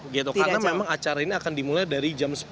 karena memang acara ini akan dimulai dari jam sepuluh